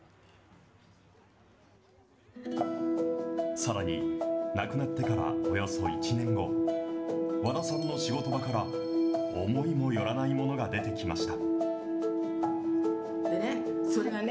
さらに、亡くなってからおよそ１年後、和田さんの仕事場から、思いもよらないものが出てきました。